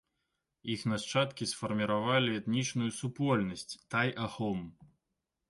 Іх нашчадкі сфарміравалі этнічную супольнасць тай-ахом.